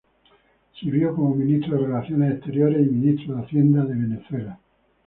Sirvió como Ministro de Relaciones Exteriores y Ministro de Hacienda de Venezuela.